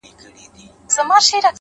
هوډ د لارې دوړې نه ویني.!